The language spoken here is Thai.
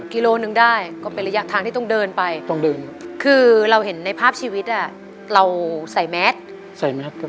กิโลหนึ่งได้ก็เป็นระยะทางที่ต้องเดินไปต้องเดินคือเราเห็นในภาพชีวิตอ่ะเราใส่แมสใส่แมส